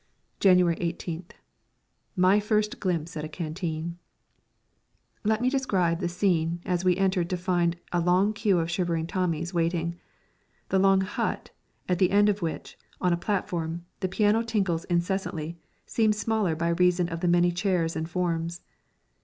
January 18th. My first glimpse at a canteen! [Illustration: THE FIRST HUT AT THE BASE] Let me describe the scene as we entered to find a long queue of shivering Tommies waiting. The long "hut," at the end of which, on a platform, the piano tinkles incessantly, seemed smaller by reason of the many chairs and forms.